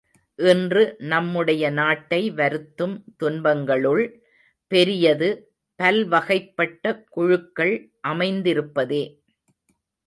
இன்று நம்முடைய நாட்டை வருத்தும் துன்பங்களுள் பெரியது பல்வகைப்பட்ட குழுக்கள் அமைந்திருப்பதே.